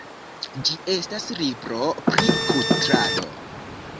Ĝi estas libro pri kudrado.